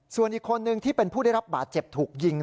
ส่วนอีกคนนึงที่เป็นผู้ได้รับบาดเจ็บถูกยิง